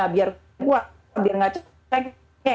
biar kuat biar nggak cek